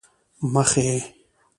مخې،